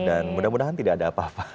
dan mudah mudahan tidak ada apa apa